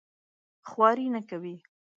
خواري نه کوي.